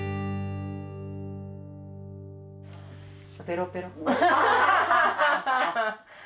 ペロペロ。